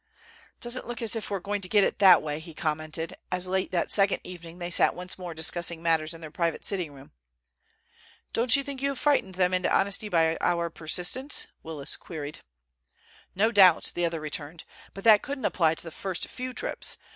"Doesn't look as if we are going to get it that way," he commented, as late that second evening they sat once more discussing matters in their private sitting room. "Don't you think you have frightened them into honesty by our persistence?" Willis queried. "No doubt," the other returned. "But that couldn't apply to the first few trips.